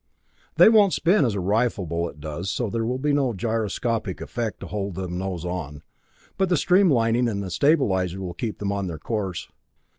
They won't spin as a rifle bullet does, and so there will be no gyroscopic effect to hold them nose on, but the streamlining and the stabilizer will keep them on their course.